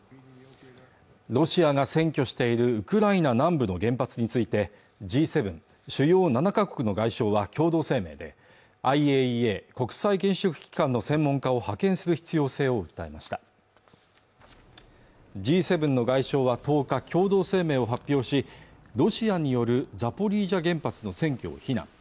ロシアが占拠しているウクライナ南部の原発についてＧ７＝主要７か国の外相は共同声明でＩＡＥＡ＝国際原子力機関の専門家を派遣する必要性を訴えましたＧ７の外相は１０日共同声明を発表しロシアによるザポリージャ原発の占拠を非難